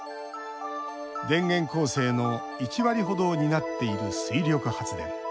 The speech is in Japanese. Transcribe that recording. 電源構成の１割ほどを担っている水力発電。